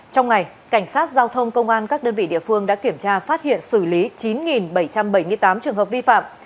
trong ngày cảnh sát giao thông công an các đơn vị địa phương đã kiểm tra phát hiện xử lý chín bảy trăm bảy mươi tám trường hợp vi phạm